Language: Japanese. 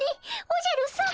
おじゃるさま。